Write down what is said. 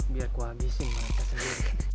biar gua abisin mereka sendiri